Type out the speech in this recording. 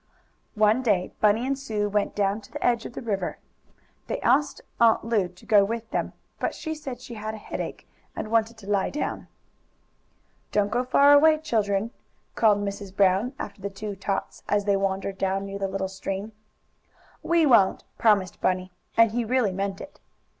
One day Bunny and Sue went down to the edge of the river. They asked Aunt Lu to go with them, but she said she had a headache, and wanted to lie down. "Don't go far away, children," called Mrs. Brown after the two tots, as they wandered down near the little stream. "We won't," promised Bunny, and he really meant it.